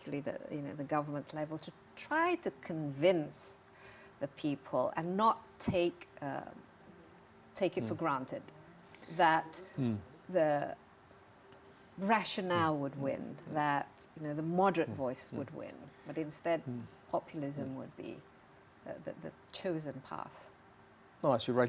untuk memberikan keamanan yang lebih baik juga untuk orang orang